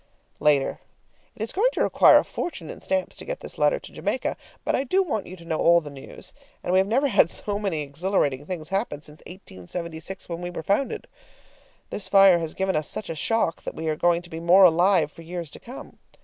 LATER. It is going to require a fortune in stamps to get this letter to Jamaica, but I do want you to know all the news, and we have never had so many exhilarating things happen since 1876, when we were founded. This fire has given us such a shock that we are going to be more alive for years to come.